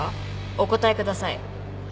お答えください。